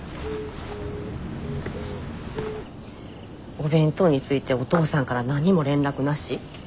お弁当についておとうさんから何も連絡なし？